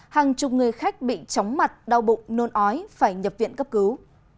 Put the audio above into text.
hàng chục người khách bị chóng mặt đau bụng nôn ói phải nhập viện cấp cứu